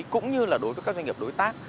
cũng như là đối với các doanh nghiệp đối tác